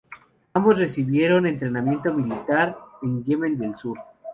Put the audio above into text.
Ambos recibieron entrenamiento militar en Yemen del Sur.